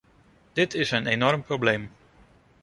Dit is een enorm probleem.